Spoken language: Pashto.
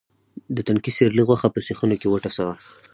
د تنکي سېرلي غوښه په سیخونو کې وټسوه.